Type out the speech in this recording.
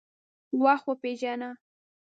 وخت وپیژنه.